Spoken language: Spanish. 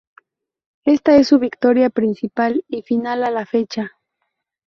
Esta es su victoria principal y final a la fecha.